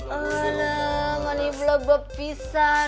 aduh ini belum berpisah